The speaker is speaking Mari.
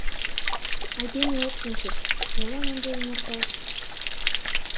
Айдеме ок шинче: кӧлан ынде эҥерташ?